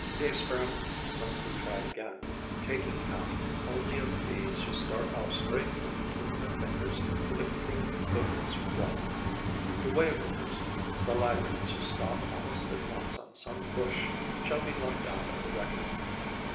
The experiment must be tried again, taking count only of the Bees who start off straight from between my fingers with a clean, vigorous flight. The waverers, the laggards who stop almost at once on some bush shall be left out of the reckoning.